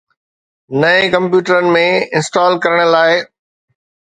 نئين ڪمپيوٽرن ۾ انسٽال ڪرڻ لاء